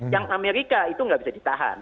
yang amerika itu nggak bisa ditahan